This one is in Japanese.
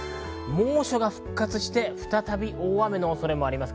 猛暑が復活して再び大雨の恐れもあります。